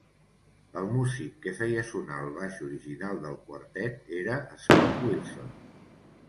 El músic que feia sonar el baix original del quartet era Scott Wilson.